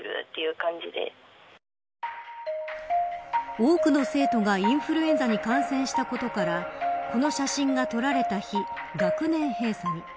多くの生徒がインフルエンザに感染したことからこの写真が撮られた日学年閉鎖に。